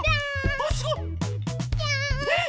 あすごい！